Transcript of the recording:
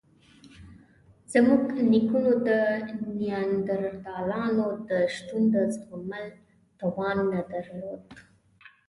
زموږ نیکونو د نیاندرتالانو د شتون د زغملو توان نه درلود.